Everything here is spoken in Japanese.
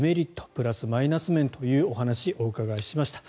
プラス・マイナス面というお話お伺いしました。